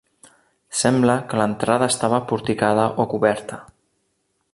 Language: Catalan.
Sembla que l'entrada estava porticada o coberta.